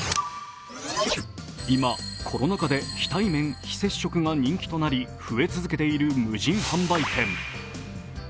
今、コロナ禍で非対面・非接触が人気となり増え続けている無人販売店。